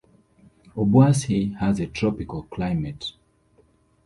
Obuasi has a tropical climate.